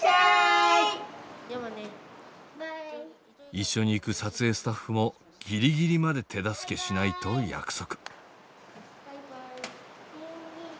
一緒に行く撮影スタッフもギリギリまで手助けしないと約束。